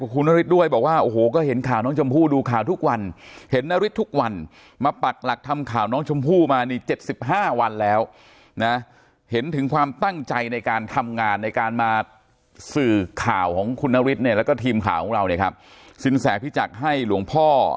ข่าวของคุณนฤทธิ์เนี่ยแล้วก็ทีมข่าวของเราเนี่ยครับสินแสพิจักษ์ให้หลวงพ่อ